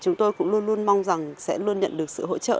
chúng tôi cũng luôn luôn mong rằng sẽ luôn nhận được sự hỗ trợ